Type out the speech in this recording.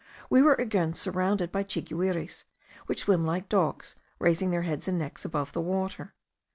We were again surrounded by chiguires, which swim like dogs, raising their heads and necks above the water.